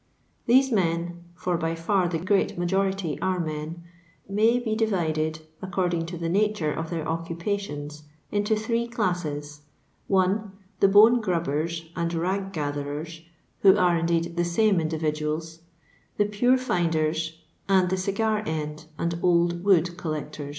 Thibb men, for by &r the gteat majority are men, may be divided, according to the nature of their occnpationi, into three rliiiri :— 1. The bone gmbben and rag gatheren, who are^ indeed, the same indiTidoals, the pure finden^ and the cigar end and old wood oollecton.